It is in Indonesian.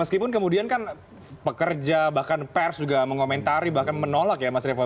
meskipun kemudian kan pekerja bahkan pers juga mengomentari bahkan menolak ya mas revo